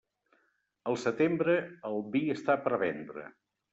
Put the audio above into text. Al setembre, el vi està per vendre.